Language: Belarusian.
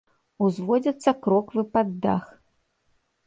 Узводзяцца кроквы пад дах.